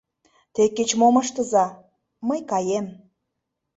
Те кеч-мом ыштыза, мый каем.